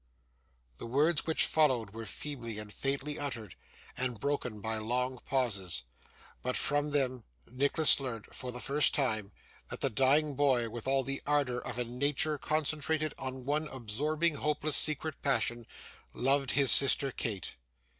The words which followed were feebly and faintly uttered, and broken by long pauses; but, from them, Nicholas learnt, for the first time, that the dying boy, with all the ardour of a nature concentrated on one absorbing, hopeless, secret passion, loved his sister Kate.